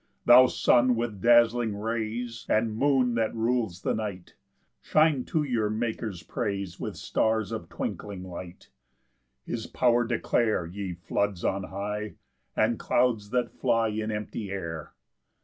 2 Thou sun with dazzling rays, And moon that rules the night, Shine to your Maker's praise, With stars of twinkling light: His power declare, Ye floods on high, And clouds that fly In empty air.